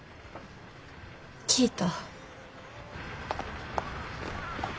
聞いた。